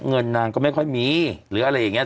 เงินงงงงไม่ค่อยมีเรืออะไรอย่างนี้